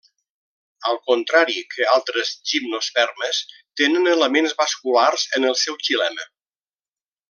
Al contrari que altres gimnospermes tenen elements vasculars en el seu xilema.